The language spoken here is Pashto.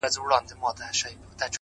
• دا بېچاره به ښـايــي مــړ وي،